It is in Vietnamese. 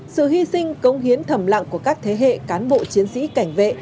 sự hy sinh công hiến thầm lặng của các thế hệ cán bộ chiến sĩ cảnh vệ